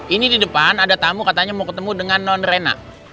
ini di depan ada tamu katanya mau ketemu dengan non rena